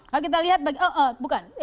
lalu kita lihat oh bukan